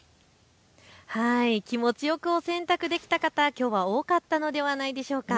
気持ちよくお洗濯できた方きょうは多かったのではないでしょうか。